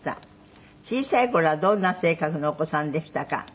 「小さい頃はどんな性格のお子さんでしたか？」